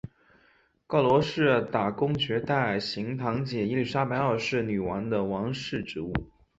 告罗士打公爵代行堂姐伊利莎伯二世女王的王室职务。